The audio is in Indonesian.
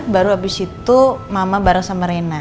baru habis itu mama bareng sama rena